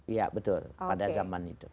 iya betul pada zaman itu